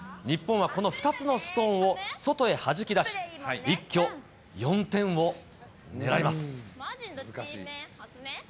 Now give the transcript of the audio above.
日本はこの２つのストーンを外へはじき出し、難しい。